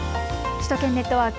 首都圏ネットワーク。